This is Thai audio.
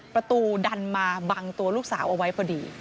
ประตูดันมาบังตัวลูกสาวเอาไว้พอดี